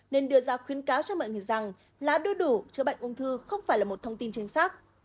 nên đưa ra khuyến cáo cho mọi người rằng là đưa đủ chữa bệnh ung thư không phải là một thông tin chính xác